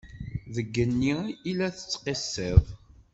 Deg igenni i la tettqissiḍ.